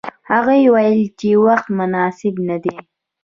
هغوی ویل چې وخت مناسب نه دی.